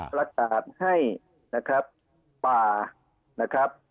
ปรากฏให้ป่า